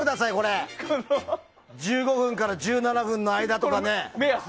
１５分から１７分の間とかね。